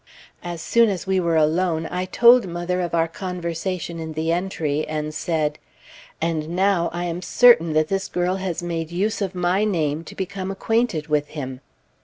As soon as we were alone, I told mother of our conversation in the entry, and said, "And now I am certain that this girl has made use of my name to become acquainted with him."